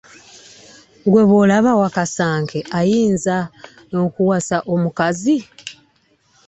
Gwe bwolaba wakasanke ayinza enkuwasa omukazi?